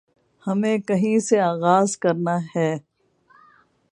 ہمیں کہیں سے آغاز کرنا ہے